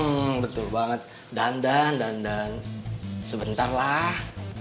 hmm betul banget dandan dandan sebentar lah